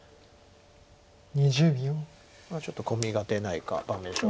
ちょっとコミが出ないか盤面勝負。